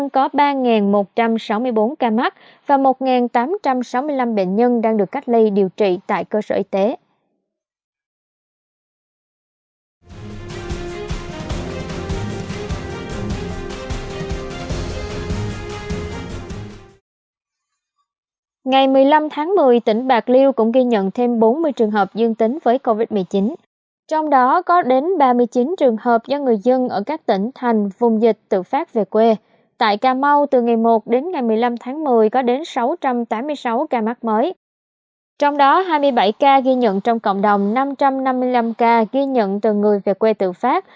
có hai mươi bảy ca ghi nhận trong cộng đồng năm trăm năm mươi năm ca ghi nhận từ người về quê tự phát